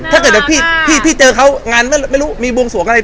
ถ้าเกิดว่าพี่เจอเขาร่วงมีมีบวงสวยกูแล้วอะไร